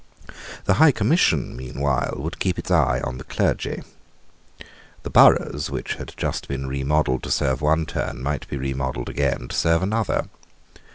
The High Commission meanwhile would keep its eye on the clergy. The boroughs, which had just been remodelled to serve one turn, might be remodelled again to serve another.